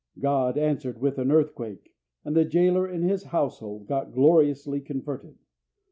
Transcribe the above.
God answered with an earthquake, and the jailer and his household got gloriously converted.